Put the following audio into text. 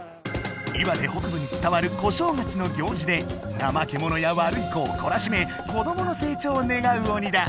岩手北部に伝わる小正月の行事でなまけものや悪い子をこらしめこどもの成長を願うおにだ。